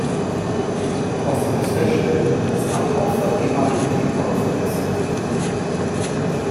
Doch sie muss feststellen, dass alle Opfer ehemalige Liebhaber von ihr sind.